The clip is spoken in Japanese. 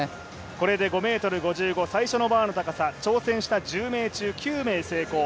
これで５ｍ５５、最初のバーの高さ、挑戦した１０名中９名成功。